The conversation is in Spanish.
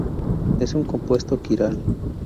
Es un compuesto quiral.